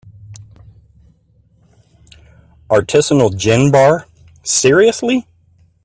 Artisanal gin bar, seriously?!